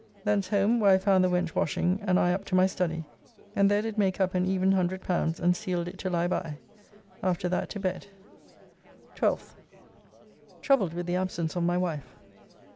Thence home, where I found the wench washing, and I up to my study, and there did make up an even L100, and sealed it to lie by. After that to bed. 12th. Troubled with the absence of my wife.